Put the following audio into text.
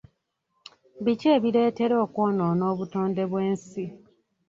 Biki ebireeta okwonoona obutonde bw'ensi?